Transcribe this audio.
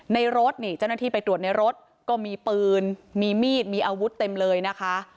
ในรถนี่เจ้าหน้าที่ไปตรวจในรถก็มีปืนมีมีดมีอาวุธเต็มเลยนะคะ